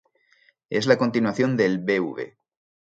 Es la continuación del "Bv.